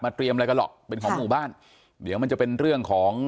เตรียมอะไรกันหรอกเป็นของหมู่บ้านเดี๋ยวมันจะเป็นเรื่องของ